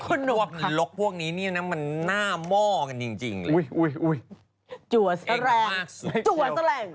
พวกเหล็กพวกนี้มันหน้าม่อกันจริงอุ้ยจ๋หว่าแสรง